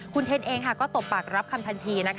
คุณเทนเองก็ตบปากรับคำทันที